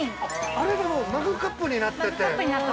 ◆あれがもうマグカップになってて。